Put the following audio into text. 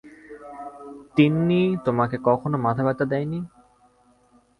তিন্নি তোমাকে কখনো মাথাব্যথা দেয় নি?